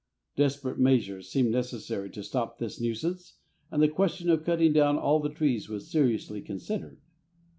Desperate measures seemed necessary to stop this nuisance, and the question of cutting down all the trees was seriously considered.